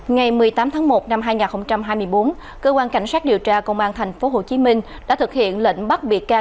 ngày một mươi tám tháng một năm hai nghìn hai mươi bốn cơ quan cảnh sát điều tra công an tp hcm đã thực hiện lệnh bắt bị can